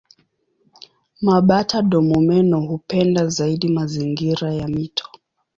Mabata-domomeno hupenda zaidi mazingira ya mito.